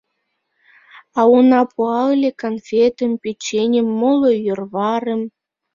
А уна пуа ыле конфетым, печеньым, моло йӧрварым.